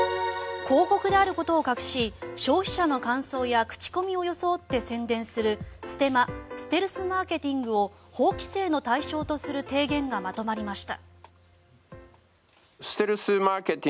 広告であることを隠し消費者の感想や口コミを装って宣伝するステマステルスマーケティングを法規制の対象とする提言がまとまりました。